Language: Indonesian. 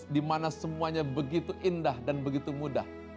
dimana semuanya begitu indah dan begitu mudah